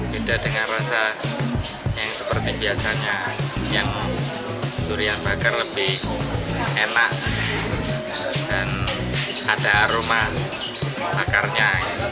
beda dengan rasa yang seperti biasanya yang durian bakar lebih enak dan ada aroma akarnya